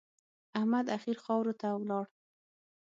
احمد اخير خاورو ته ولاړ.